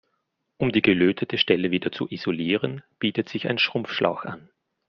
Um die gelötete Stelle wieder zu isolieren, bietet sich ein Schrumpfschlauch an.